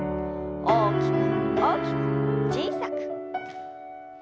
大きく大きく小さく。